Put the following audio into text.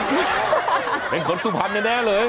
แต่เกราะสุพรันด์ไงแอะเลย